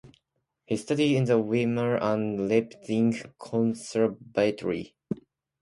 He studied in the Weimar and Leipzing Conservatory.